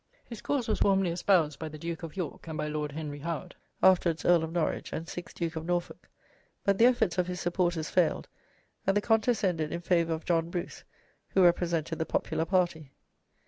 His cause was warmly espoused by the Duke of York and by Lord Henry Howard (afterwards Earl of Norwich and sixth Duke of Norfolk), but the efforts of his supporters failed, and the contest ended in favour of John Bruce, who represented the popular party.